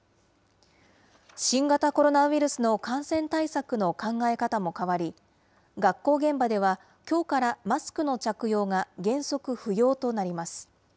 新型コロナウイルスの感染対策の考え方も変わり、学校現場ではきょうからマスクの着用が原則、不要となります。